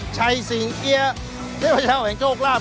ชัยสิงเอี๊ยเทพเจ้าแห่งโชคลาภ